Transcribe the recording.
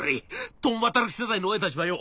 共働き世帯の親たちはよ